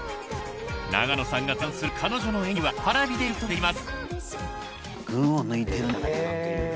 永野さんが絶賛する彼女の演技はＰａｒａｖｉで見ることができます。